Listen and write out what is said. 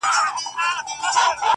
دهقان څه چي لا په خپل کلي کي خان وو!